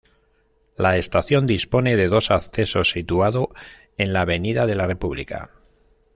La estación dispone de dos accesos situado en la avenida de la República.